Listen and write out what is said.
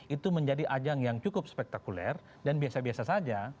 itu menjadi ajang yang cukup spektakuler dan biasa biasa saja